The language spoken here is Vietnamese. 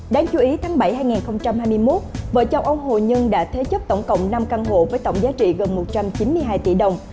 đáng chú ý tháng bảy hai nghìn hai mươi một vợ chồng ông hồ nhân đã thế chấp tổng cộng năm căn hộ với tổng giá trị gần một trăm chín mươi hai tỷ đồng